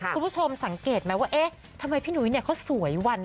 คุณผู้ชมสังเกตไหมว่าเอ๊ะทำไมพี่หนุ้ยเนี่ยเขาสวยวัน